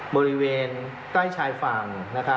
บริเวณใกล้ชายฝั่ง